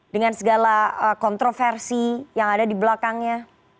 dengan segala kontroversi yang ada di belakangnya